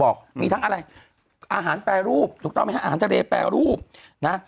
มีทั้งอะไรอาหารแปรรูปถูกต้องไหมฮะอาหารทะเลแปรรูปนะ